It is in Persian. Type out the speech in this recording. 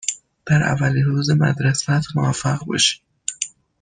در اولین روز مدرسه ات موفق باشی.